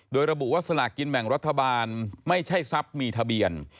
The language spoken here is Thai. โดยระบุว่าสลากินแบ่งรัฐบาลไม่ใช่ทรัพย์มีทะเบียน